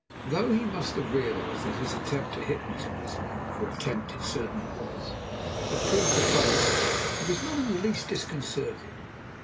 Though he must have realized that his attempt to hypnotize me (for attempt it certainly was) had proved a failure, he was not in the least disconcerted.